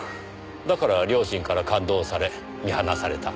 だから両親から勘当され見放された。